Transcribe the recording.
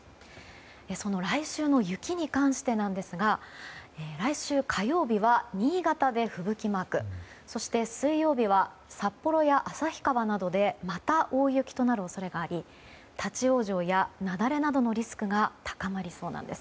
その来週の雪に関してですが来週火曜日は新潟で吹雪マークそして水曜日は札幌や旭川などでまた大雪となる恐れがあり立ち往生や雪崩などのリスクが高まりそうなんです。